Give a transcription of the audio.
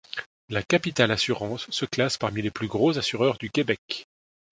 La Capitale assurances se classe parmi les plus gros assureurs du Québec.